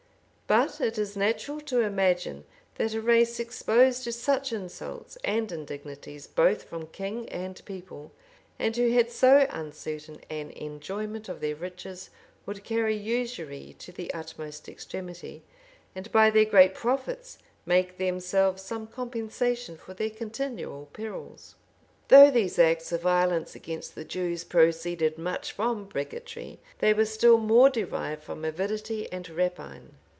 But it is natural to imagine, that a race exposed to such insults and indignities, both from king and people, and who had so uncertain an enjoyment of their riches, would carry usury to the utmost extremity, and by their great profits make themselves some compensation for their continual perils. Though these acts of violence against the Jews proceeded much from bigotry, they were still more derived from avidity and rapine.